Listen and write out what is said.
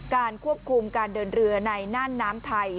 การควบคุมการเดินเรือในน่านน้ำไทย